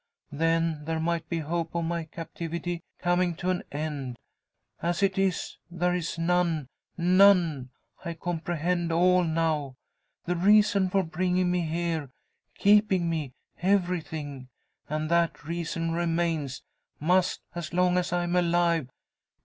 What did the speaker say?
Then there might be hope of my captivity coming to an end. As it is, there is none none! I comprehend all now the reason for bringing me here keeping me everything. And that reason remains must, as long as I am alive!